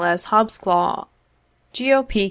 S. Hobsclaw, Geo. P.